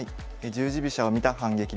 「十字飛車を見た反撃」です。